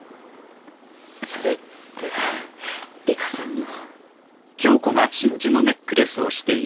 それって里香さんの？